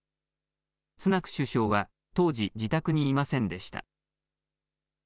スナク首相は当時、自宅にいませんでした。